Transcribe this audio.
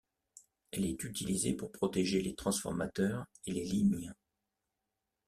Elle est utilisée pour protéger les transformateurs et les lignes.